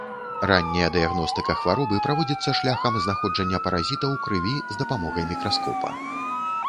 Ранняя дыягностыка хваробы праводзіцца шляхам знаходжання паразіта ў крыві з дапамогай мікраскопа.